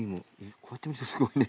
こうやって見るとすごいね。